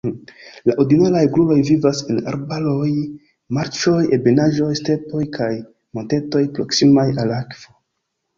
La ordinaraj gruoj vivas en arbaroj, marĉoj, ebenaĵoj, stepoj kaj montetoj proksimaj al akvo.